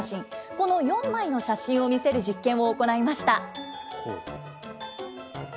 この４枚の写真を見せる実験を行いました。